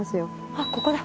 あっここだ。